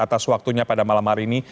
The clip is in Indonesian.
atas waktunya pada malam hari ini